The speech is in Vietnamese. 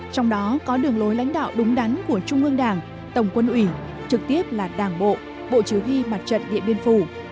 trong đó có đường lối lãnh đạo đúng đắn của trung ương đảng tổng quân ủy trực tiếp là đảng bộ bộ chứ huy mặt trận điện biên phủ